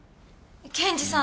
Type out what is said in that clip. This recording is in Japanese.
検事さん！